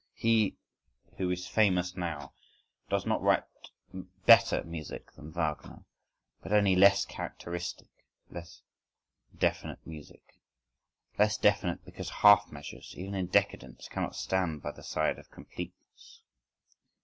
(13) He who is famous now, does not write better music than Wagner, but only less characteristic, less definite music:—less definite, because half measures, even in decadence, cannot stand by the side of completeness.